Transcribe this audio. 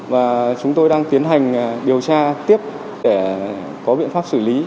và chúng tôi đang tiến hành điều tra tiếp để có biện pháp xử lý